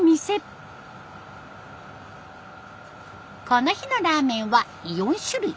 この日のラーメンは４種類。